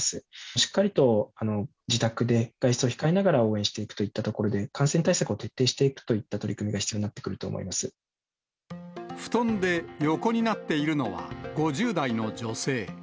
しっかりと自宅で、外出を控えながら応援していくといったところで、感染対策を徹底していくといった取り組みが必要になってくると思布団で横になっているのは、５０代の女性。